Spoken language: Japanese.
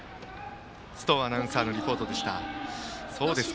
須藤アナウンサーのリポートでした。